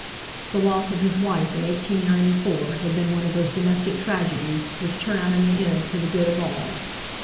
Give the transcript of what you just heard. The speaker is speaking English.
The loss of his wife in 1894 had been one of those domestic tragedies which turn out in the end for the good of all.